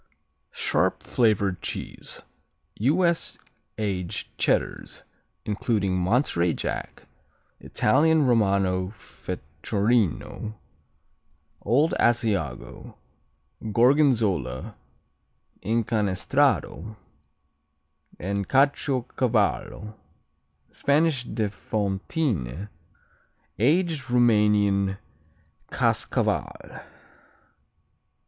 Sharp flavored cheese U.S. aged Cheddars, including Monterey Jack; Italian Romano Fecorino, Old Asiago, Gorgonzola, Incanestrato and Caciocavallo; Spanish de Fontine; Aged Roumanian Kaskaval.